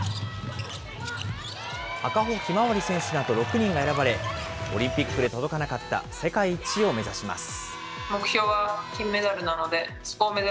赤穂ひまわり選手など６人が選ばれ、オリンピックで届かなかった世界一を目指します。